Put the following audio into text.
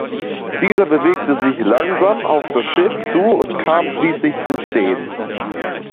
Dieser bewegte sich langsam auf das Schiff zu und kam schließlich zum Stehen.